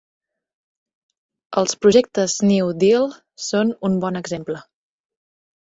Els projectes New Deal són un bon exemple.